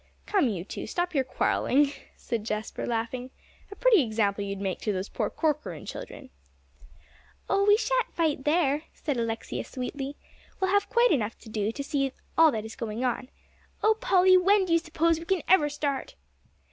"Come, you two, stop your quarrelling," said Jasper, laughing. "A pretty example you'd make to those poor Corcoran children." "Oh, we sha'n't fight there," said Alexia sweetly; "we'll have quite enough to do to see all that is going on. Oh, Polly, when do you suppose we can ever start?"